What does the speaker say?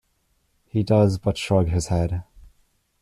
He does but shrug his head.